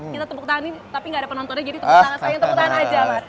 kita tepuk tangan ini tapi gak ada penontonnya jadi tepuk tangan aja